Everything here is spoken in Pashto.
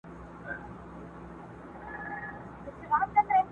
څوك به اوري فريادونه د زخميانو.!